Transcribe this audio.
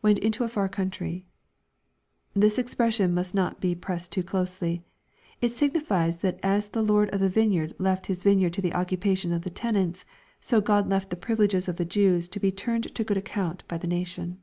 [Went into a far country.] This expression must not bo pressed too closely. It signifies that as the lord of the vine yard left his vineyard to the occupation of the tenants, so Gtod left the privileges of the Jews to be turned to good account by the nation.